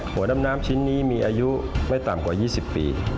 หัวดำน้ำชิ้นนี้มีอายุไม่ต่ำกว่า๒๐ปี